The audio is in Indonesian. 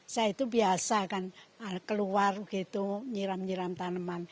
saya itu biasa kan keluar gitu nyiram nyiram tanaman